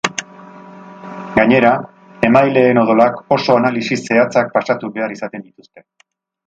Gainera, emaileen odolak oso analisi zehatzak pasatu behar izaten dituzte.